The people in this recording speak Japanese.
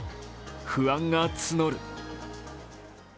不安が募る。